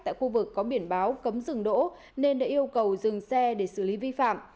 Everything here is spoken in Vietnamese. tại khu vực có biển báo cấm rừng đỗ nên đã yêu cầu dừng xe để xử lý vi phạm